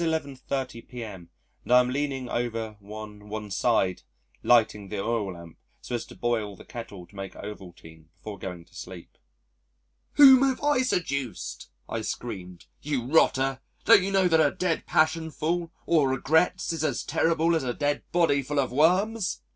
30 p.m. and I am leaning over one one side lighting the oil lamp so as to boil the kettle to make Ovaltine before going to sleep. "Whom have I seduced?" I screamed. "You rotter, don't you know that a dead passion full of regrets is as terrible as a dead body full of worms?